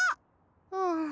うん。